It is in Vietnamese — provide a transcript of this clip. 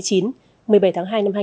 trong những ngày này